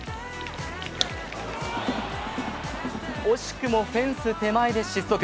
惜しくもフェンス手前で失速。